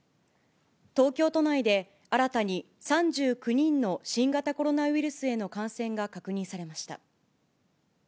東京都内で新たに３９人の新型コロナウイルスへの感染が確認されました。